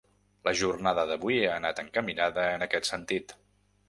La jornada d’avui ha anat encaminada en aquest sentit.